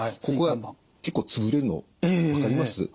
ここが結構つぶれるの分かります？